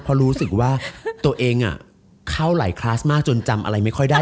เพราะรู้สึกว่าตัวเองเข้าหลายคลาสมากจนจำอะไรไม่ค่อยได้